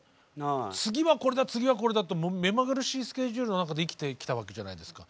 次はこれだ次はこれだって目まぐるしいスケジュールの中で生きてきたわけじゃないですか。